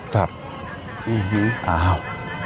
ครับอ้าว